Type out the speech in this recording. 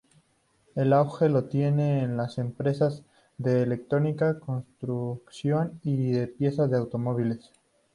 El auge lo tienen las empresas de electrónica, construcción y de piezas de automóviles.